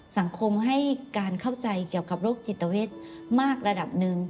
สังคมให้การเข้าใจเกี่ยวกับโรคจิตเวทมากระดับหนึ่ง